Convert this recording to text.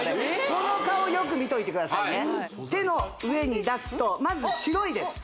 この顔よく見といてくださいね手の上に出すとまず白いです